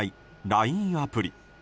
ＬＩＮＥアプリ。